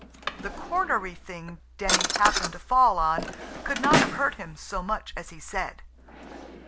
The cornery thing Denny happened to fall on could not have hurt him so much as he said.